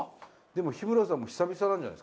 でも日村さんも久々なんじゃ？